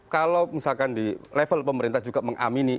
kalau misalkan di level pemerintah juga mengamini